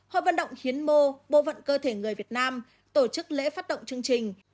hội vận động hiến mô bộ phận cơ thể người việt nam tổ chức lễ phát động chương trình